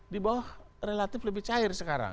di bawah relatif lebih cair sekarang